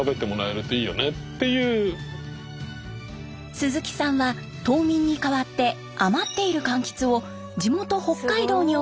鈴木さんは島民に代わって余っている柑橘を地元北海道に送り販売。